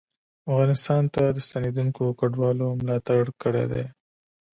افغانستان ته ستنېدونکو کډوالو ملاتړ کړی دی